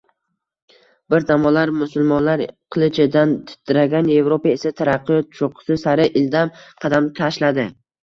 Bir zamonlar musulmonlar qilichidan titragan Yevropa esa taraqqiyot choʻqqisi sari ildam qadam tashladi.